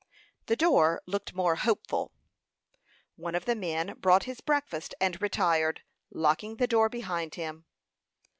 The door looked more hopeful. One of the men brought his breakfast, and retired, locking the door behind him.